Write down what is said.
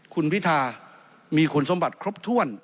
คุณพิธามีคุณสมบัติครบถ้วน